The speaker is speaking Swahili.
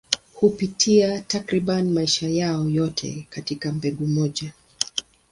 Hupitia takriban maisha yao yote katika mbegu moja.